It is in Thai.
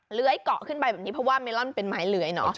เหลือยเกาะขึ้นไปคุณหมอนี้เพราะแมล่นเป็นไม้เหลือยนะ